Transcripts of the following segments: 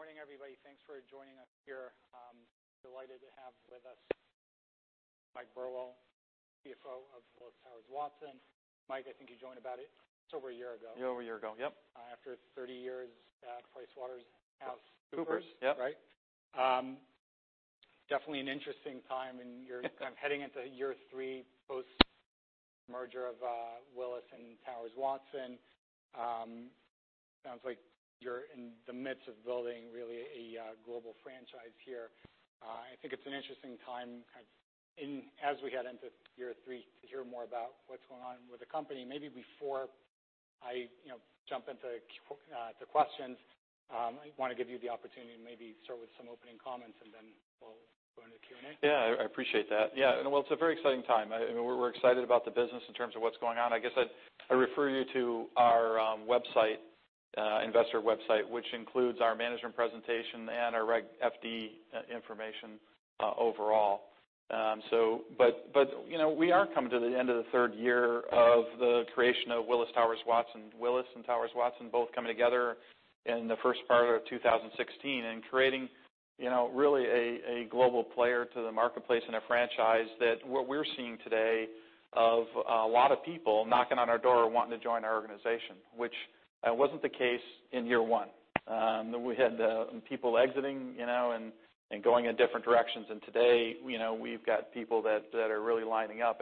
Good morning, everybody. Thanks for joining us here. I'm delighted to have with us Mike Burwell, CFO of Willis Towers Watson. Mike, I think you joined about just over a year ago. Little over a year ago. Yep. After 30 years at PricewaterhouseCoopers. Yep. Right. Definitely an interesting time in you're heading into year three post merger of Willis and Towers Watson. Sounds like you're in the midst of building really a global franchise here. I think it's an interesting time in, as we head into year three, to hear more about what's going on with the company. Maybe before I jump into the questions, I want to give you the opportunity to maybe start with some opening comments, and then we'll go into Q&A. Yeah, I appreciate that. Well, it's a very exciting time. We're excited about the business in terms of what's going on. I guess I'd refer you to our investor website, which includes our management presentation and our Reg FD information overall. We are coming to the end of the third year of the creation of Willis Towers Watson. Willis and Towers Watson both coming together in the first part of 2016 and creating really a global player to the marketplace and a franchise that what we're seeing today of a lot of people knocking on our door wanting to join our organization. Which wasn't the case in year one. We had people exiting and going in different directions. Today, we've got people that are really lining up.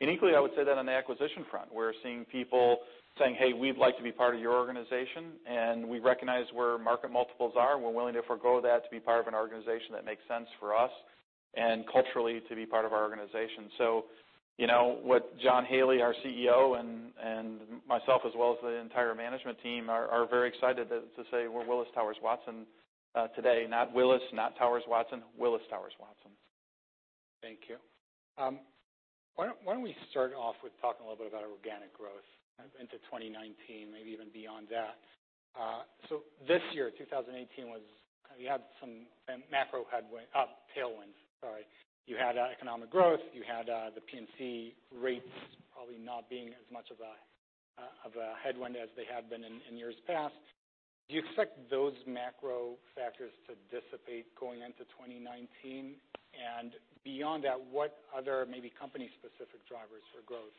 Uniquely, I would say that on the acquisition front, we're seeing people saying, "Hey, we'd like to be part of your organization, and we recognize where market multiples are, and we're willing to forego that to be part of an organization that makes sense for us, and culturally to be part of our organization." What John Haley, our CEO, and myself, as well as the entire management team, are very excited to say we're Willis Towers Watson today, not Willis, not Towers Watson, Willis Towers Watson. Thank you. Why don't we start off with talking a little bit about organic growth into 2019, maybe even beyond that. This year, 2018, you had some macro headwinds, tailwinds, sorry. You had economic growth. You had the P&C rates probably not being as much of a headwind as they had been in years past. Do you expect those macro factors to dissipate going into 2019? Beyond that, what other maybe company-specific drivers for growth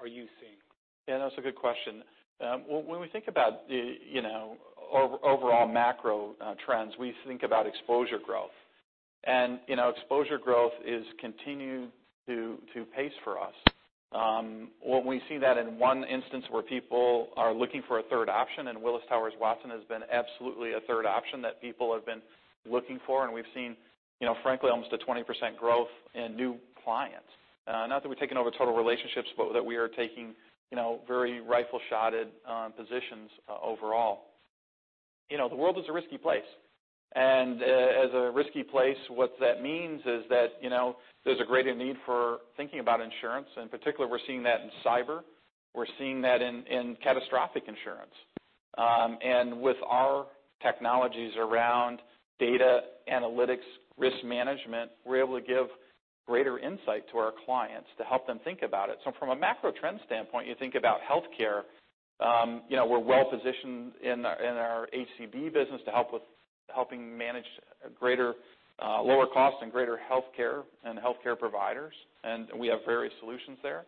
are you seeing? That's a good question. When we think about overall macro trends, we think about exposure growth. Exposure growth is continuing to pace for us. When we see that in one instance where people are looking for a third option, Willis Towers Watson has been absolutely a third option that people have been looking for, we've seen frankly almost a 20% growth in new clients. Not that we're taking over total relationships, but that we are taking very rifle shotted positions overall. The world is a risky place, and as a risky place, what that means is that there's a greater need for thinking about insurance. In particular, we're seeing that in cyber, we're seeing that in catastrophic insurance. With our technologies around data analytics, risk management, we're able to give greater insight to our clients to help them think about it. From a macro trend standpoint, you think about healthcare. We're well-positioned in our ACV business to help with helping manage lower costs and greater healthcare and healthcare providers. We have various solutions there.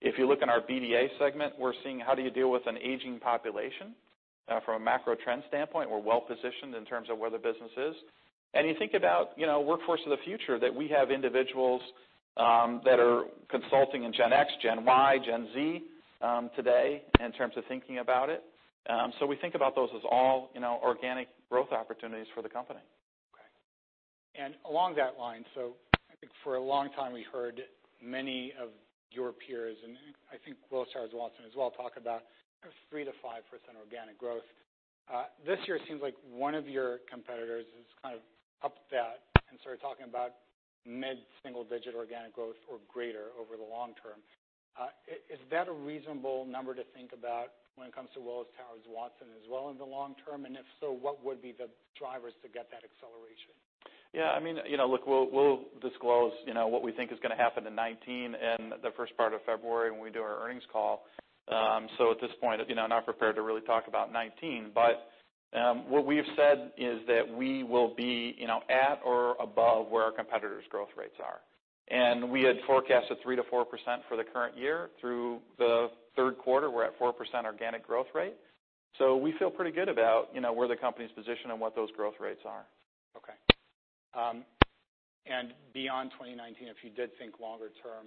If you look in our BDA segment, we're seeing how do you deal with an aging population? From a macro trend standpoint, we're well-positioned in terms of where the business is. You think about workforce of the future, that we have individuals that are consulting in Gen X, Gen Y, Gen Z today in terms of thinking about it. We think about those as all organic growth opportunities for the company. Okay. Along that line, I think for a long time we heard many of your peers, Willis Towers Watson as well, talk about 3%-5% organic growth. This year seems like one of your competitors has kind of upped that and started talking about mid-single digit organic growth or greater over the long term. Is that a reasonable number to think about when it comes to Willis Towers Watson as well in the long term? If so, what would be the drivers to get that acceleration? Yeah, look, we'll disclose what we think is going to happen in 2019 in the first part of February when we do our earnings call. At this point, I'm not prepared to really talk about 2019. What we have said is that we will be at or above where our competitors' growth rates are. We had forecasted 3%-4% for the current year. Through the third quarter, we're at 4% organic growth rate. We feel pretty good about where the company's positioned and what those growth rates are. Okay. Beyond 2019, if you did think longer term,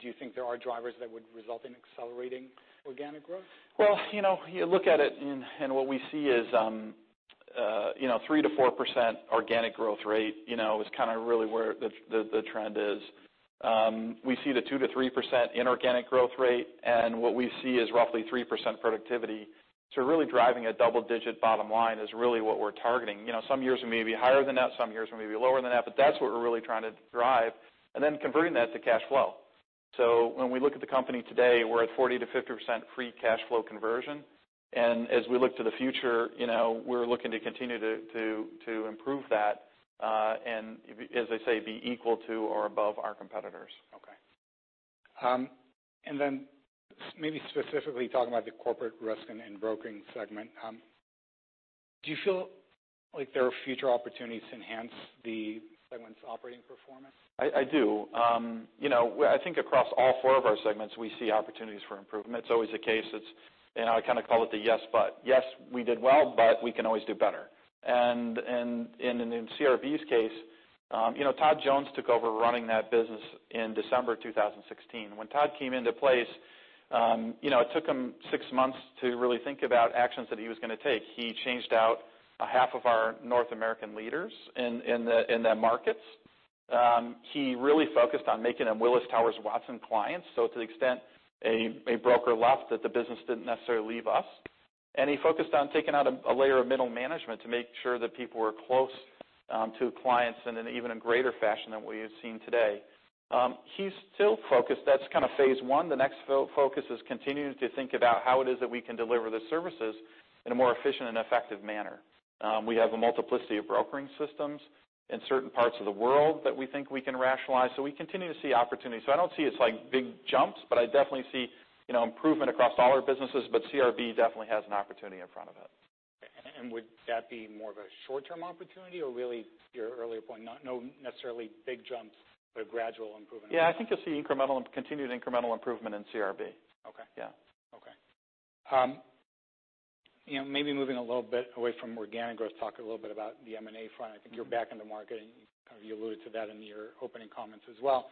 do you think there are drivers that would result in accelerating organic growth? Well, you look at it, what we see is 3%-4% organic growth rate is kind of really where the trend is. We see the 2%-3% inorganic growth rate, what we see is roughly 3% productivity. Really driving a double-digit bottom line is really what we're targeting. Some years we may be higher than that, some years we may be lower than that, but that's what we're really trying to drive, then converting that to cash flow. When we look at the company today, we're at 40%-50% free cash flow conversion. As we look to the future, we're looking to continue to improve that, as I say, be equal to or above our competitors. Maybe specifically talking about the Corporate Risk and Broking segment, do you feel like there are future opportunities to enhance the segment's operating performance? I do. I think across all four of our segments, we see opportunities for improvement. It's always the case. I call it the yes, but. Yes, we did well, but we can always do better. In CRB's case, Todd Jones took over running that business in December 2016. When Todd came into place, it took him six months to really think about actions that he was going to take. He changed out half of our North American leaders in the markets. He really focused on making them Willis Towers Watson clients, so to the extent a broker left that the business didn't necessarily leave us. He focused on taking out a layer of middle management to make sure that people were close to clients and in an even greater fashion than we have seen today. He's still focused. That's phase one. The next focus is continuing to think about how it is that we can deliver the services in a more efficient and effective manner. We have a multiplicity of broking systems in certain parts of the world that we think we can rationalize. We continue to see opportunities. I don't see it's big jumps, but I definitely see improvement across all our businesses, but CRB definitely has an opportunity in front of it. Would that be more of a short-term opportunity or really your earlier point, not necessarily big jumps, but a gradual improvement? I think you'll see continued incremental improvement in CRB. Okay. Yeah. Maybe moving a little bit away from organic growth, talk a little bit about the M&A front. I think you're back in the market, you alluded to that in your opening comments as well.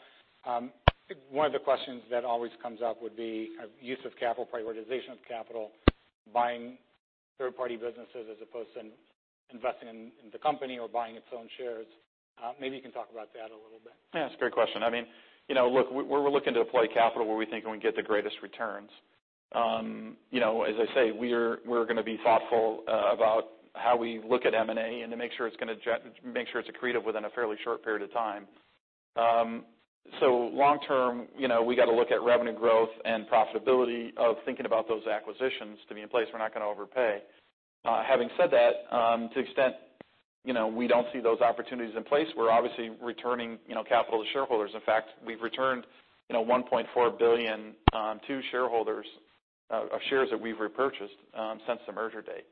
One of the questions that always comes up would be use of capital, prioritization of capital, buying third-party businesses as opposed to investing in the company or buying its own shares. Maybe you can talk about that a little bit. Yeah, it's a great question. Look, we're looking to deploy capital where we think we can get the greatest returns. As I say, we're going to be thoughtful about how we look at M&A and to make sure it's accretive within a fairly short period of time. Long term, we got to look at revenue growth and profitability of thinking about those acquisitions to be in place. We're not going to overpay. Having said that, to the extent we don't see those opportunities in place, we're obviously returning capital to shareholders. In fact, we've returned $1.4 billion to shareholders of shares that we've repurchased since the merger date.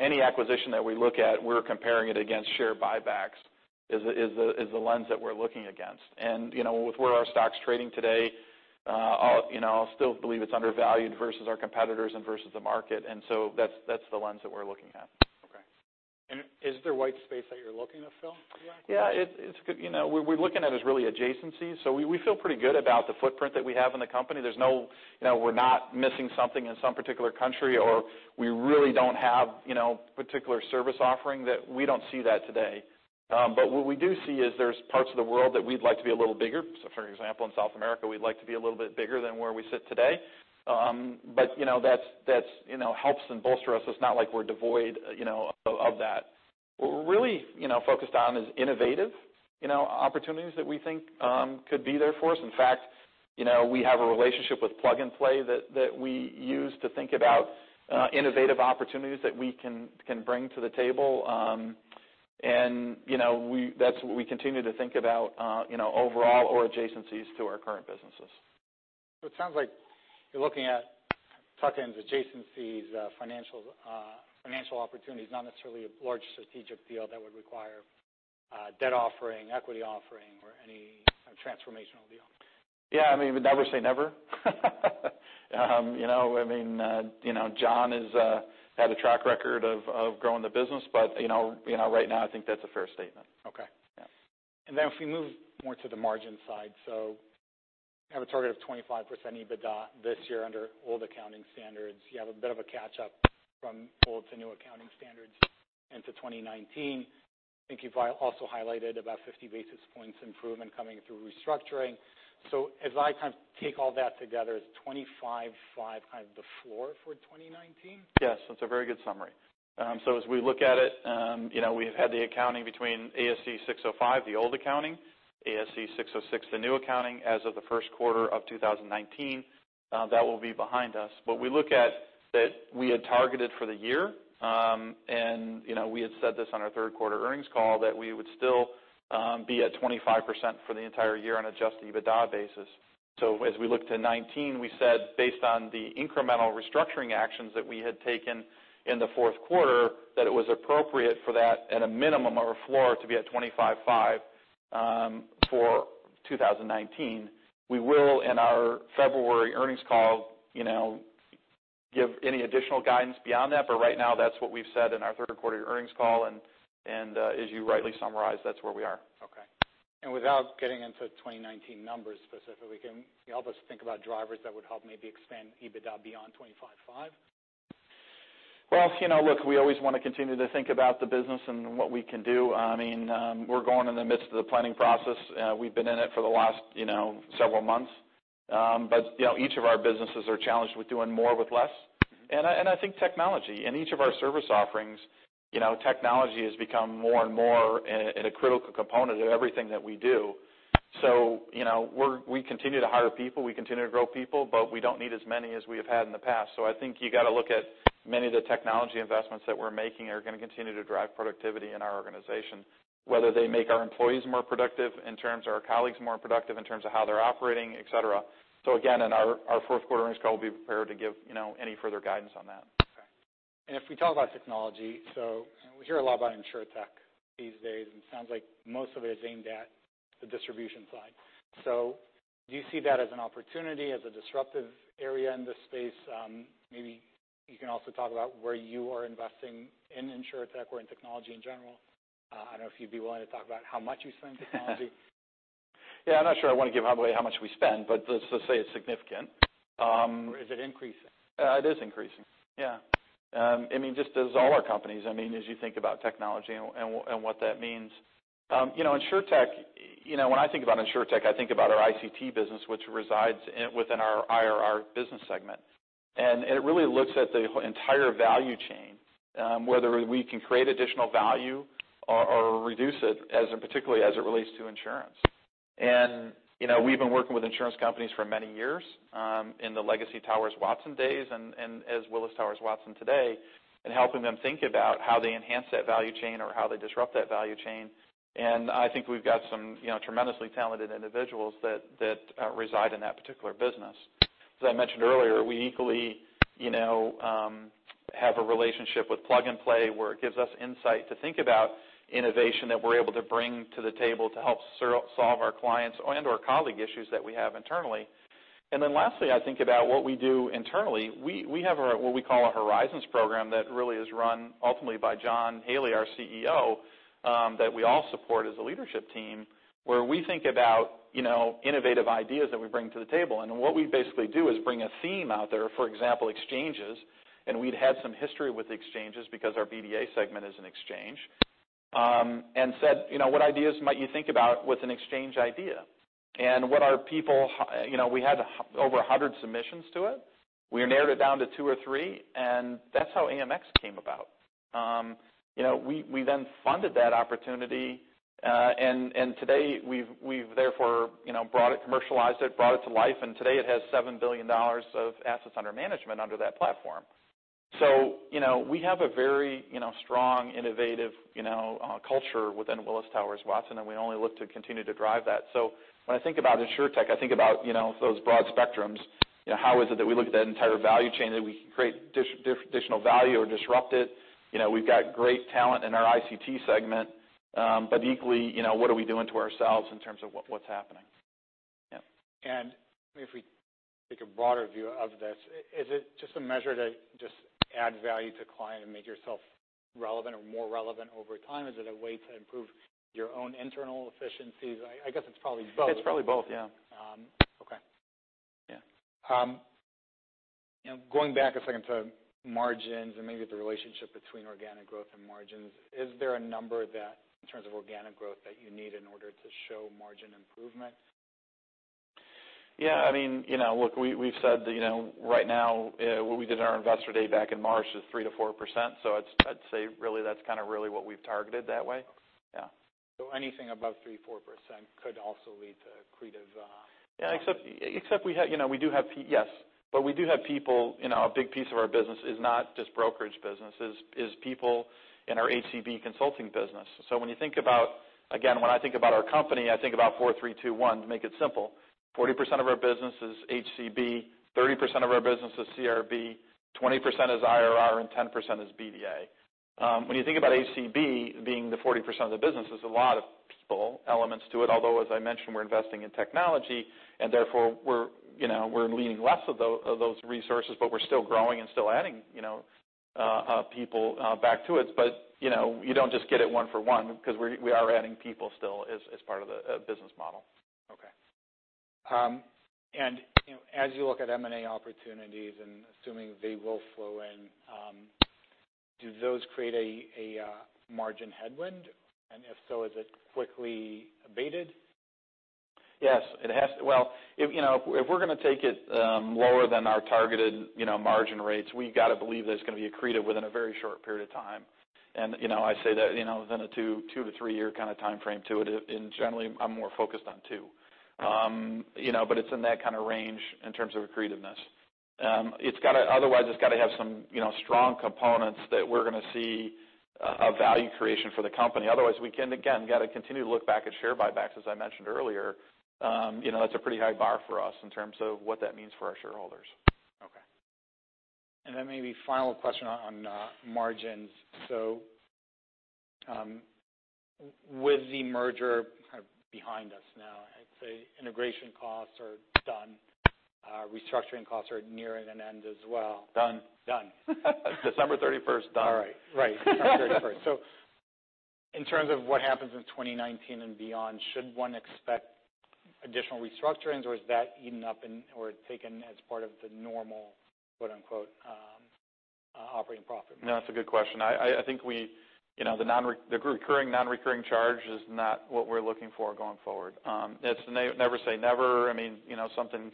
Any acquisition that we look at, we're comparing it against share buybacks is the lens that we're looking against. With where our stock's trading today, I still believe it's undervalued versus our competitors and versus the market. That's the lens that we're looking at. Okay. Is there white space that you're looking to fill for the acquisition? Yeah. What we're looking at is really adjacencies. We feel pretty good about the footprint that we have in the company. We're not missing something in some particular country, or we really don't have particular service offering that we don't see that today. What we do see is there's parts of the world that we'd like to be a little bigger. For example, in South America, we'd like to be a little bit bigger than where we sit today. That helps and bolsters us. It's not like we're devoid of that. What we're really focused on is innovative opportunities that we think could be there for us. In fact, we have a relationship with Plug and Play that we use to think about innovative opportunities that we can bring to the table. That's what we continue to think about overall or adjacencies to our current businesses. It sounds like you're looking at tuck-ins, adjacencies, financial opportunities, not necessarily a large strategic deal that would require a debt offering, equity offering, or any transformational deal. Yeah, never say never. John has had a track record of growing the business, but right now, I think that's a fair statement. Okay. Yeah. If we move more to the margin side, you have a target of 25% EBITDA this year under old accounting standards. You have a bit of a catch-up from old to new accounting standards into 2019. I think you've also highlighted about 50 basis points improvement coming through restructuring. As I take all that together, is 25.5% the floor for 2019? Yes, that's a very good summary. As we look at it, we've had the accounting between ASC 605, the old accounting, ASC 606, the new accounting, as of the first quarter of 2019. That will be behind us. We look at that we had targeted for the year, and we had said this on our third quarter earnings call that we would still be at 25% for the entire year on adjusted EBITDA basis. As we look to 2019, we said, based on the incremental restructuring actions that we had taken in the fourth quarter, that it was appropriate for that at a minimum or a floor to be at 25.5% for 2019. We will, in our February earnings call, give any additional guidance beyond that. Right now, that's what we've said in our third quarter earnings call, and as you rightly summarized, that's where we are. Okay. Without getting into 2019 numbers specifically, can you help us think about drivers that would help maybe expand EBITDA beyond 25.5%? Well, look, we always want to continue to think about the business and what we can do. We're going in the midst of the planning process. We've been in it for the last several months. Each of our businesses are challenged with doing more with less. I think technology. In each of our service offerings, technology has become more and more a critical component of everything that we do. We continue to hire people, we continue to grow people, but we don't need as many as we have had in the past. I think you got to look at many of the technology investments that we're making are going to continue to drive productivity in our organization, whether they make our employees more productive in terms of our colleagues more productive in terms of how they're operating, et cetera. Again, in our fourth quarter earnings call, we'll be prepared to give any further guidance on that. If we talk about technology, we hear a lot about Insurtech these days, and it sounds like most of it is aimed at the distribution side. Do you see that as an opportunity, as a disruptive area in this space? Maybe you can also talk about where you are investing in Insurtech or in technology in general. I don't know if you'd be willing to talk about how much you spend in technology. Yeah, I'm not sure I want to give away how much we spend, but let's just say it's significant. Is it increasing? It is increasing. Yeah. Just as all our companies, as you think about technology and what that means. Insurtech, when I think about Insurtech, I think about our ICT business, which resides within our IRR business segment. It really looks at the entire value chain, whether we can create additional value or reduce it, particularly as it relates to insurance. We've been working with insurance companies for many years, in the legacy Towers Watson days, and as Willis Towers Watson today, and helping them think about how they enhance that value chain or how they disrupt that value chain. I think we've got some tremendously talented individuals that reside in that particular business. As I mentioned earlier, we equally have a relationship with Plug and Play, where it gives us insight to think about innovation that we're able to bring to the table to help solve our clients' and/or colleague issues that we have internally. Lastly, I think about what we do internally. We have what we call a Horizons program that really is run ultimately by John Haley, our CEO, that we all support as a leadership team, where we think about innovative ideas that we bring to the table. What we basically do is bring a theme out there, for example, exchanges, and we'd had some history with exchanges because our BDA segment is an exchange, and said, "What ideas might you think about with an exchange idea?" We had over 100 submissions to it. We narrowed it down to two or three, and that's how AMX came about. We then funded that opportunity, and today we've therefore commercialized it, brought it to life, and today it has $7 billion of assets under management under that platform. We have a very strong, innovative culture within Willis Towers Watson, and we only look to continue to drive that. When I think about Insurtech, I think about those broad spectrums. How is it that we look at that entire value chain that we can create additional value or disrupt it? We've got great talent in our ICT segment. Equally, what are we doing to ourselves in terms of what's happening? Yeah. If we take a broader view of this, is it just a measure to just add value to client and make yourself relevant or more relevant over time? Is it a way to improve your own internal efficiencies? I guess it's probably both. It's probably both, yeah. Okay. Yeah. Going back a second to margins and maybe the relationship between organic growth and margins, is there a number that, in terms of organic growth, that you need in order to show margin improvement? Yeah. Look, we've said that right now, what we did in our Investor Day back in March is 3%-4%, I'd say really that's kind of really what we've targeted that way. Yeah. Anything above 3%, 4% could also lead to accretive. Yes. We do have people, a big piece of our business is not just brokerage business, is people in our HCB consulting business. When you think about, again, when I think about our company, I think about four-three-two-one to make it simple. 40% of our business is HCB, 30% of our business is CRB, 20% is IRR, and 10% is BDA. When you think about HCB being the 40% of the business, there's a lot of people elements to it, although, as I mentioned, we're investing in technology, and therefore we're needing less of those resources, but we're still growing and still adding people back to it. You don't just get it one for one because we are adding people still as part of the business model. Okay. As you look at M&A opportunities and assuming they will flow in, do those create a margin headwind? If so, is it quickly abated? Yes. Well, if we're going to take it lower than our targeted margin rates, we got to believe that it's going to be accretive within a very short period of time. I say that within a two to three-year kind of timeframe to it. Generally, I'm more focused on two. It's in that kind of range in terms of accretiveness. Otherwise, it's got to have some strong components that we're going to see a value creation for the company. Otherwise, we can, again, got to continue to look back at share buybacks, as I mentioned earlier. That's a pretty high bar for us in terms of what that means for our shareholders. Okay. Maybe final question on margins. With the merger behind us now, I'd say integration costs are done. Restructuring costs are nearing an end as well. Done. Done. December 31st, done. All right. Right. December 31st. In terms of what happens in 2019 and beyond, should one expect additional restructurings or is that eaten up or taken as part of the normal, quote-unquote, operating profit? No, that's a good question. I think the recurring non-recurring charge is not what we're looking for going forward. It's never say never. Something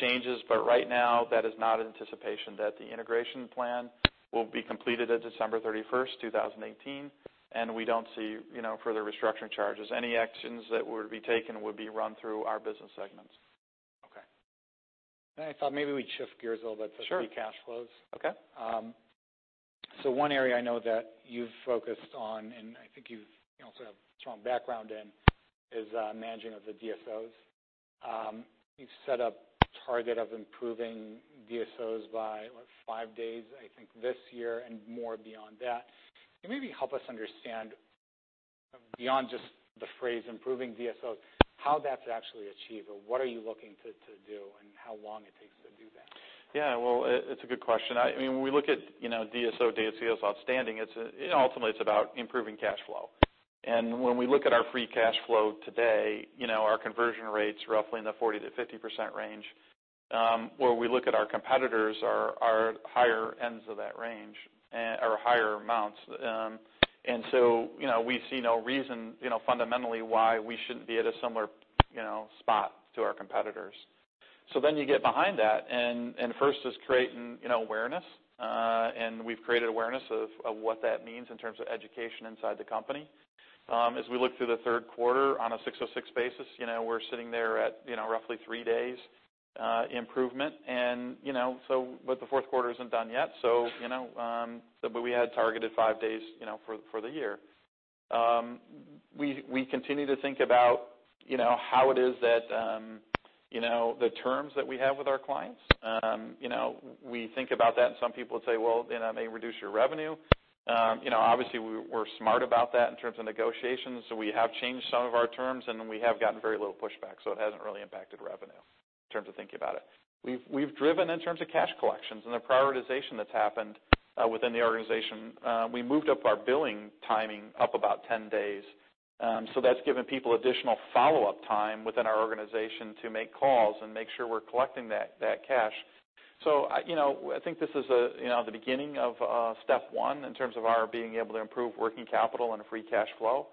changes, but right now that is not anticipation that the integration plan will be completed at December 31st, 2018, and we don't see further restructuring charges. Any actions that were to be taken would be run through our business segments. Okay. I thought maybe we'd shift gears a little bit just free cash flows. Okay. One area I know that you've focused on, and I think you also have a strong background in, is managing of the DSOs. You've set a target of improving DSOs by, what, five days, I think, this year and more beyond that. Can you maybe help us understand, beyond just the phrase improving DSOs, how that's actually achieved, or what are you looking to do, and how long it takes to do that? Well, it's a good question. When we look at DSO, days sales outstanding, ultimately, it's about improving cash flow. When we look at our free cash flow today, our conversion rate's roughly in the 40%-50% range, where we look at our competitors are higher ends of that range or higher amounts. We see no reason fundamentally why we shouldn't be at a similar spot to our competitors. You get behind that, and first is creating awareness. We've created awareness of what that means in terms of education inside the company. As we look through the third quarter on a 606 basis, we're sitting there at roughly three days improvement. The fourth quarter isn't done yet, but we had targeted five days for the year. We continue to think about how it is that the terms that we have with our clients, we think about that, and some people would say, "Well, it may reduce your revenue." Obviously, we're smart about that in terms of negotiations, so we have changed some of our terms, and we have gotten very little pushback, so it hasn't really impacted revenue in terms of thinking about it. We've driven in terms of cash collections and the prioritization that's happened within the organization. We moved up our billing timing up about 10 days. That's given people additional follow-up time within our organization to make calls and make sure we're collecting that cash. I think this is the beginning of step one in terms of our being able to improve working capital and free cash flow.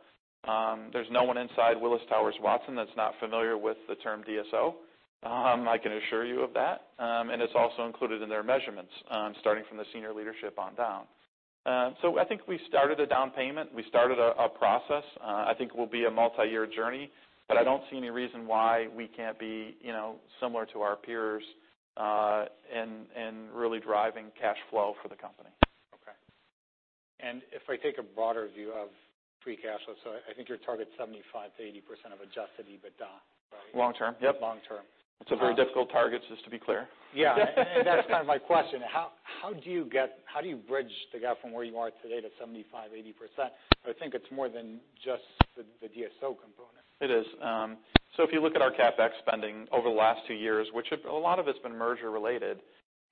There's no one inside Willis Towers Watson that's not familiar with the term DSO. I can assure you of that. It's also included in their measurements, starting from the senior leadership on down. I think we started a down payment. We started a process. I think it will be a multi-year journey. I don't see any reason why we can't be similar to our peers in really driving cash flow for the company. Okay. If I take a broader view of free cash flow, I think your target's 75%-80% of adjusted EBITDA, right? Long term. Yep. Long term. It's a very difficult target, just to be clear. That's kind of my question. How do you bridge the gap from where you are today to 75%-80%? I think it's more than just the DSO component. It is. If you look at our CapEx spending over the last two years, which a lot of it's been merger related,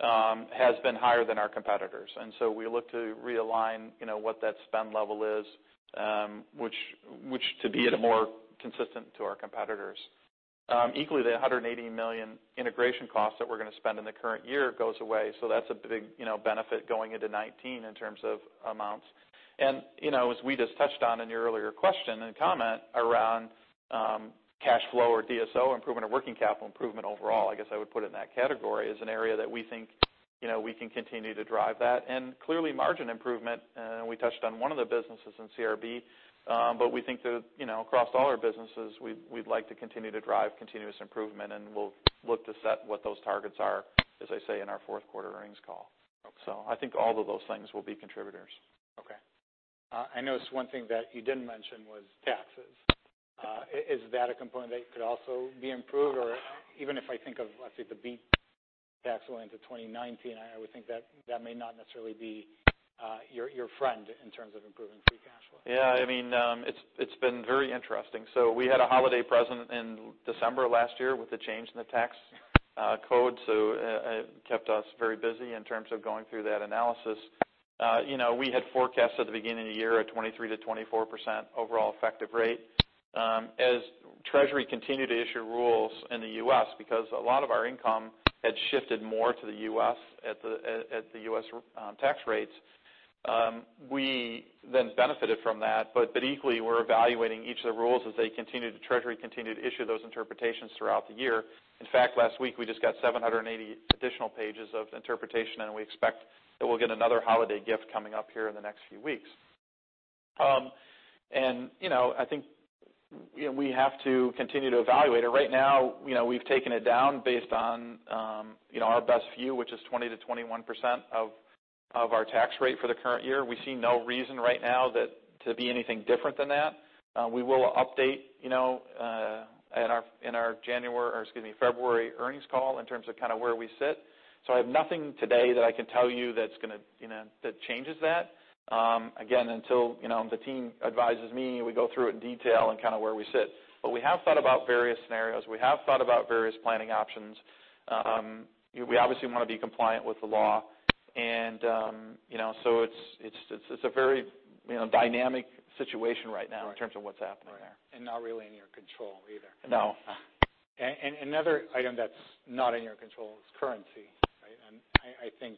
has been higher than our competitors. We look to realign what that spend level is, which to be at a more consistent to our competitors. Equally, the $180 million integration cost that we're going to spend in the current year goes away. That's a big benefit going into 2019 in terms of amounts. As we just touched on in your earlier question and comment around cash flow or DSO improvement or working capital improvement overall, I guess I would put it in that category, is an area that we think we can continue to drive that. Clearly, margin improvement, we touched on one of the businesses in CRB, but we think that across all our businesses, we'd like to continue to drive continuous improvement, and we'll look to set what those targets are, as I say, in our fourth quarter earnings call. Okay. I think all of those things will be contributors. Okay. I noticed one thing that you didn't mention was taxes. Is that a component that could also be improved, or even if I think of, let's say, the BEAT tax going into 2019, I would think that may not necessarily be your friend in terms of improving free cash flow. Yeah. It's been very interesting. We had a holiday present in December last year with the change in the tax code, so it kept us very busy in terms of going through that analysis. We had forecast at the beginning of the year a 23%-24% overall effective rate. As Treasury continued to issue rules in the U.S., because a lot of our income had shifted more to the U.S. at the U.S. tax rates, we then benefited from that. Equally, we're evaluating each of the rules as Treasury continued to issue those interpretations throughout the year. In fact, last week, we just got 780 additional pages of interpretation, and we expect that we'll get another holiday gift coming up here in the next few weeks. I think we have to continue to evaluate it. Right now, we've taken it down based on our best view, which is 20%-21% of our tax rate for the current year. We see no reason right now to be anything different than that. We will update in our February earnings call in terms of where we sit. I have nothing today that I can tell you that changes that. Again, until the team advises me, we go through it in detail and kind of where we sit. We have thought about various scenarios. We have thought about various planning options. We obviously want to be compliant with the law, it's a very dynamic situation right now in terms of what's happening there. Right. Not really in your control either. No. Another item that's not in your control is currency, right? I think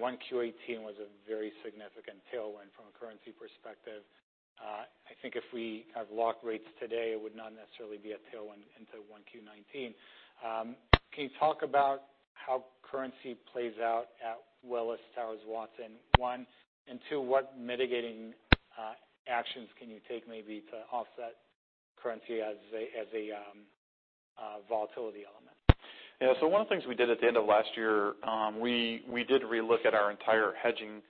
1Q 2018 was a very significant tailwind from a currency perspective. I think if we have locked rates today, it would not necessarily be a tailwind into 1Q 2019. Can you talk about how currency plays out at Willis Towers Watson, one, and two, what mitigating actions can you take maybe to offset currency as a volatility element? One of the things we did at the end of last year, we did re-look at our entire hedging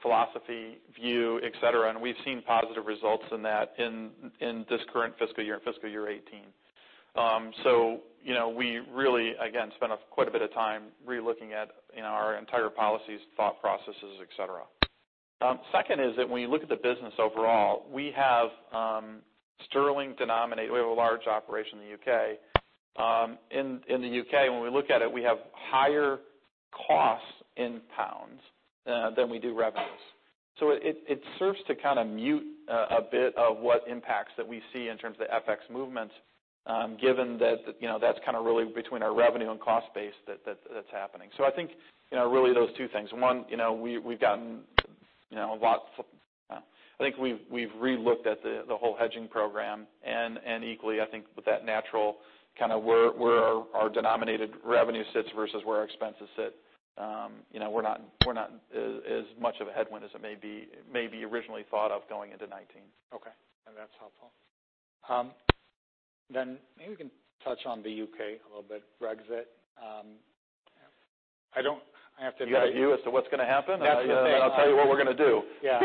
philosophy, view, et cetera, and we've seen positive results in that in this current fiscal year, in fiscal year 2018. We really, again, spent quite a bit of time re-looking at our entire policies, thought processes, et cetera. Second is that when you look at the business overall, we have sterling denominated. We have a large operation in the U.K. In the U.K., when we look at it, we have higher costs in pounds than we do revenues. It serves to mute a bit of what impacts that we see in terms of the FX movements, given that's really between our revenue and cost base that's happening. I think, really those two things. One, I think we've re-looked at the whole hedging program, equally, I think with that natural, where our denominated revenue sits versus where our expenses sit. We're not as much of a headwind as it may be originally thought of going into 2019. Okay. No, that's helpful. Maybe we can touch on the U.K. a little bit. Brexit. You got a view as to what's going to happen? That's the thing. I'll tell you what we're going to do. Yeah.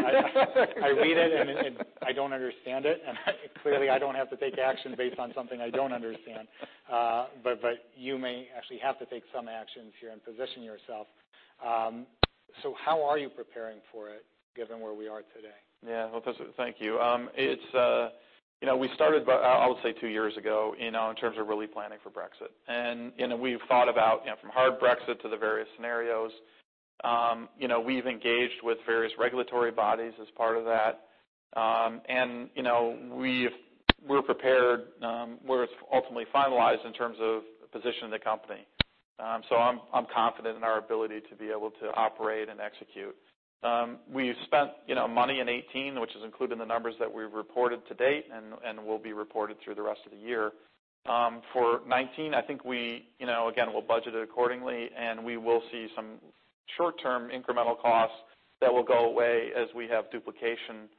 I read it, and I don't understand it, and clearly, I don't have to take action based on something I don't understand. You may actually have to take some actions here and position yourself. How are you preparing for it, given where we are today? Yeah. Well, thank you. We started about, I would say, two years ago, in terms of really planning for Brexit. We've thought about from hard Brexit to the various scenarios. We've engaged with various regulatory bodies as part of that. We're prepared where it's ultimately finalized in terms of the position of the company. I'm confident in our ability to be able to operate and execute. We've spent money in 2018, which is included in the numbers that we reported to date and will be reported through the rest of the year. For 2019, I think we, again, we'll budget it accordingly, and we will see some short-term incremental costs that will go away as we have duplication,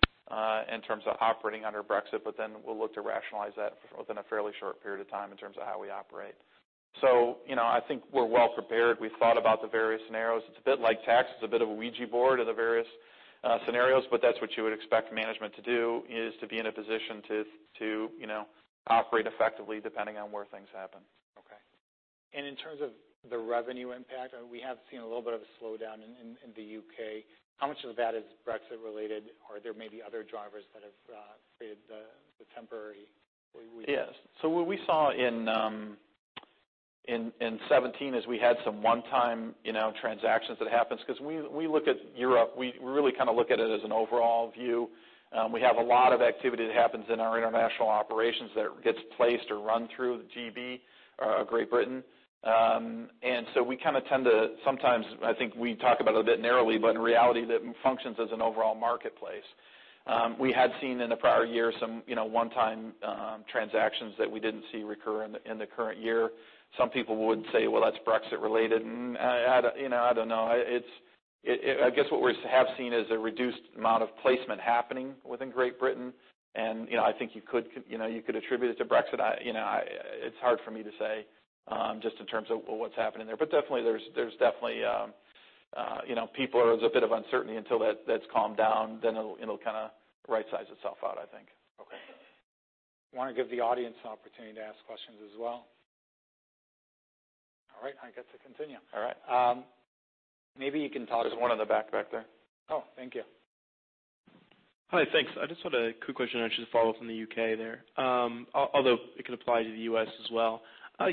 in terms of operating under Brexit, but then we'll look to rationalize that within a fairly short period of time in terms of how we operate. I think we're well prepared. We've thought about the various scenarios. It's a bit like tax. It's a bit of a Ouija board of the various scenarios, but that's what you would expect management to do, is to be in a position to operate effectively depending on where things happen. Okay. In terms of the revenue impact, we have seen a little bit of a slowdown in the U.K. How much of that is Brexit related, or there may be other drivers that have created the temporary. Yes. What we saw in 2017 is we had some one-time transactions that happens because when we look at Europe, we really look at it as an overall view. We have a lot of activity that happens in our international operations that gets placed or run through GB, Great Britain. We tend to sometimes, I think we talk about it a bit narrowly, but in reality, that functions as an overall marketplace. We had seen in the prior year some one-time transactions that we didn't see recur in the current year. Some people would say, "Well, that's Brexit related." I don't know. I guess what we have seen is a reduced amount of placement happening within Great Britain, and I think you could attribute it to Brexit. It's hard for me to say, just in terms of what's happening there. Definitely, there's definitely people, there's a bit of uncertainty until that's calmed down, then it'll rightsize itself out, I think. Okay. I want to give the audience an opportunity to ask questions as well. All right, I get to continue. All right. There's one in the back there. Oh, thank you. Hi, thanks. I just had a quick question, actually to follow up on the U.K. there. Although it could apply to the U.S. as well. Can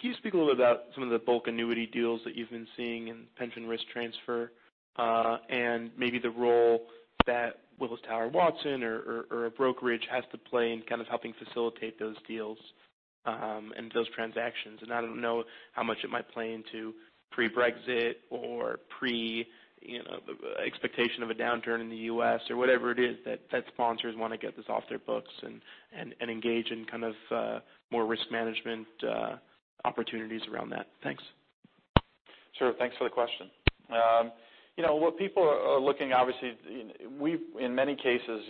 you speak a little about some of the bulk annuity deals that you've been seeing in pension risk transfer, and maybe the role that Willis Towers Watson or a brokerage has to play in helping facilitate those deals, and those transactions? I don't know how much it might play into pre-Brexit or pre expectation of a downturn in the U.S. or whatever it is that sponsors want to get this off their books and engage in more risk management opportunities around that. Thanks. Sure. Thanks for the question. What people are looking, obviously, we've, in many cases,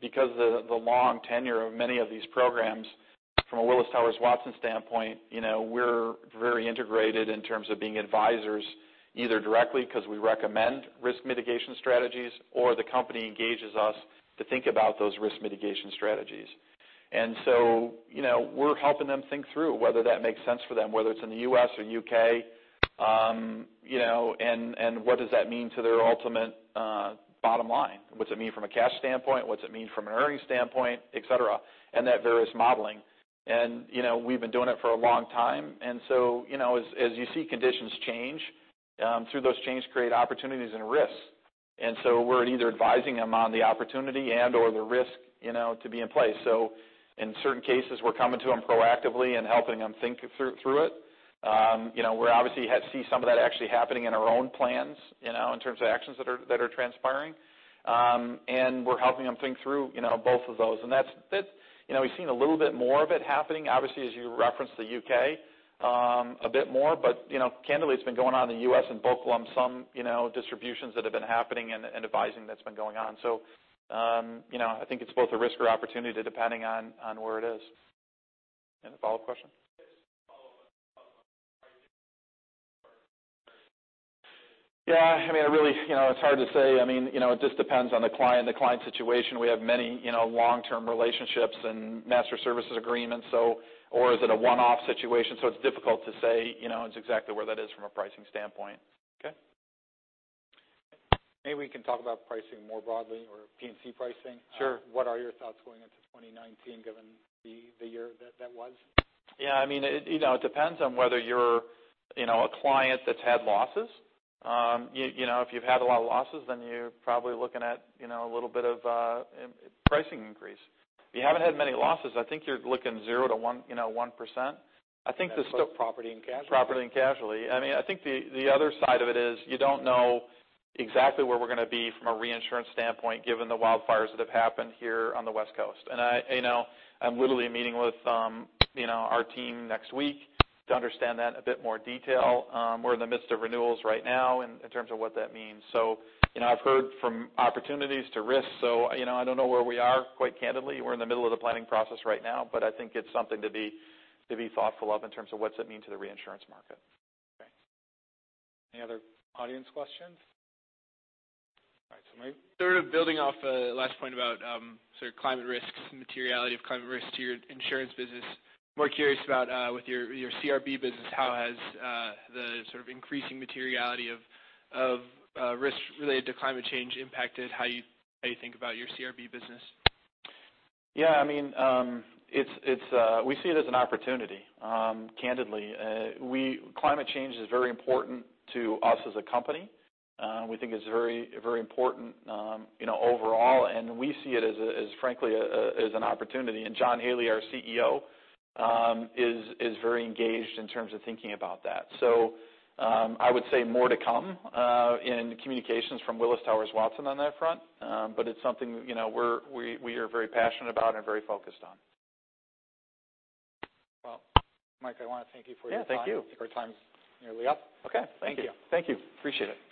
because the long tenure of many of these programs from a Willis Towers Watson standpoint, we're very integrated in terms of being advisors, either directly because we recommend risk mitigation strategies, or the company engages us to think about those risk mitigation strategies. We're helping them think through whether that makes sense for them, whether it's in the U.S. or U.K., and what does that mean to their ultimate bottom line? What's it mean from a cash standpoint, what's it mean from an earnings standpoint, et cetera, and that various modeling. We've been doing it for a long time, as you see conditions change, through those change create opportunities and risks. We're either advising them on the opportunity and/or the risk to be in place. In certain cases, we're coming to them proactively and helping them think through it. We obviously see some of that actually happening in our own plans, in terms of actions that are transpiring. We're helping them think through both of those. We've seen a little bit more of it happening, obviously, as you referenced, the U.K., a bit more. Candidly, it's been going on in the U.S. in bulk lump sum distributions that have been happening and advising that's been going on. I think it's both a risk or opportunity depending on where it is. Any follow-up question? Yeah, it's hard to say. It just depends on the client, the client situation. We have many long-term relationships and master services agreements, or is it a one-off situation? It's difficult to say exactly where that is from a pricing standpoint. Okay. Maybe we can talk about pricing more broadly or P&C pricing. Sure. What are your thoughts going into 2019 given the year that was? Yeah. It depends on whether you're a client that's had losses. If you've had a lot of losses, then you're probably looking at a little bit of a pricing increase. If you haven't had many losses, I think you're looking 0%-1%. That's both property and casualty? Property and casualty. I think the other side of it is you don't know exactly where we're going to be from a reinsurance standpoint, given the wildfires that have happened here on the West Coast. I'm literally meeting with our team next week to understand that in a bit more detail. We're in the midst of renewals right now in terms of what that means. I've heard from opportunities to risks. I don't know where we are, quite candidly. We're in the middle of the planning process right now, I think it's something to be thoughtful of in terms of what's it mean to the reinsurance market. Okay. Any other audience questions? All right. Sort of building off the last point about sort of climate risks and materiality of climate risk to your insurance business. More curious about with your CRB business, how has the sort of increasing materiality of risk related to climate change impacted how you think about your CRB business? Yeah. We see it as an opportunity, candidly. Climate change is very important to us as a company. We think it's very important overall, and we see it, frankly, as an opportunity. John Haley, our CEO, is very engaged in terms of thinking about that. I would say more to come in communications from Willis Towers Watson on that front. It's something we are very passionate about and very focused on. Well, Mike, I want to thank you for your time. Yeah, thank you. I think our time's nearly up. Okay. Thank you. Thank you. Appreciate it.